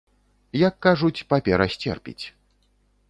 Як кажуць, папера сцерпіць.